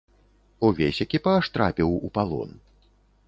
Увесь экіпаж трапіў у палон.